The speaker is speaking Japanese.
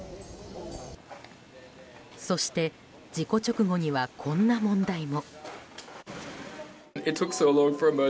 そして事故直後にはこんな問題も。